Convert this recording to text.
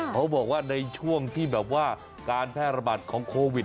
เขาบอกว่าในช่วงที่แบบว่าการแพร่ระบาดของโควิด